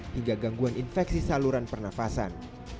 hingga gangguan infeksi saluran pernafasan